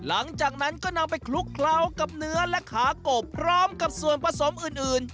หลังจากนั้นก็นำไปคลุกเคล้ากับเนื้อและขากบพร้อมกับส่วนผสมอื่น